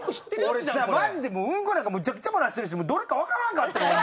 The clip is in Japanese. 俺さマジでウンコなんかむちゃくちゃ漏らしてるしどれかわからんかったんよ。